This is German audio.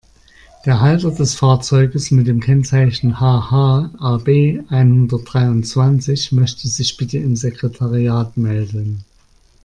Der Halter des Fahrzeugs mit dem Kennzeichen HH-AB-einhundertdreiundzwanzig möchte sich bitte im Sekretariat melden.